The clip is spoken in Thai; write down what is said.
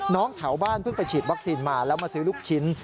แถวบ้านเพิ่งไปฉีดวัคซีนมาแล้วมาซื้อลูกชิ้น